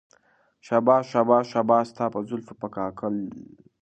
شاباش شاباش شاباش ستا په زلفو په كاكل